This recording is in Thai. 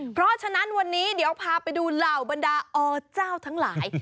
เพราะฉะนั้นวันนี้เดี๋ยวพาไปดูเหล่าบรรดาอเจ้าทั้งหลาย